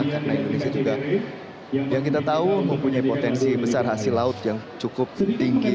karena indonesia juga yang kita tahu mempunyai potensi besar hasil laut yang cukup tinggi